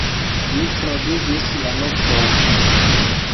Mi travivis la nokton!